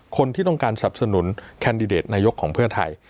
คนที่ต้องการสับสนุนแคนดิเดตนายกของเพื่อไทย